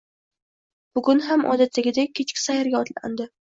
Bugun ham odatdagidek kechki sayrga otlandi